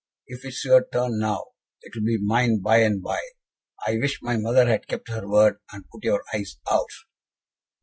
"If it is your turn now, it will be mine by and by. I wish my mother had kept her word, and put your eyes out."